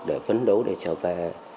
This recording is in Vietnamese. để phấn đấu để trở về